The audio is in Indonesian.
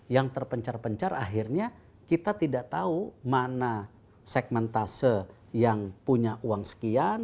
yang terpencar pencar akhirnya kita tidak tahu mana segmen tase yang punya uang sekian